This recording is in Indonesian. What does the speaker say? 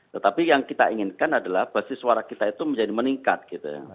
tetapi yang kita inginkan adalah basis suara kita itu menjadi meningkat gitu ya